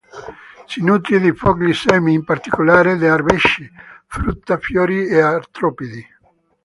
Si nutre di foglie, semi, in particolare d'erbacee, frutta, fiori e artropodi.